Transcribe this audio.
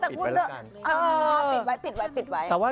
อู็าอา